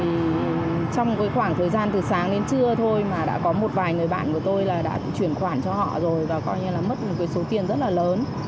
trong cái khoảng thời gian từ sáng đến trưa thôi mà đã có một vài người bạn của tôi là đã chuyển khoản cho họ rồi và coi như là mất một cái số tiền rất là lớn